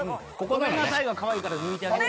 「ごめんなさい」がかわいいから抜いてあげて。